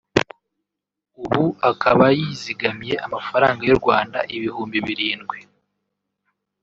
ubu akaba yizigamiye amafaranga y’u Rwanda ibihumbi birindwi